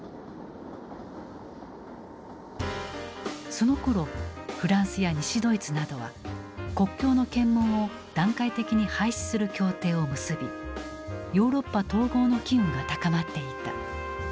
そのころフランスや西ドイツなどは国境の検問を段階的に廃止する協定を結びヨーロッパ統合の機運が高まっていた。